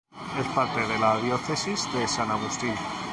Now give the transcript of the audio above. Es parte de la diócesis de San Agustín.